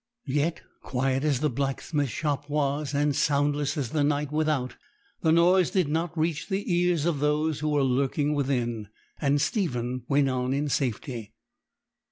Yet, quiet as the blacksmith's shop was, and soundless as the night without, the noise did not reach the ears of those who were lurking within, and Stephen went on in safety.